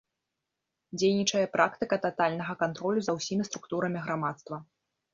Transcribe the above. Дзейнічае практыка татальнага кантролю за ўсімі структурамі грамадства.